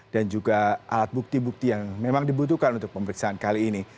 dan juga alat bukti bukti yang memang dibutuhkan untuk pemeriksaan kali ini